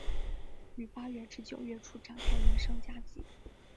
于八月至九月初展开连胜佳绩。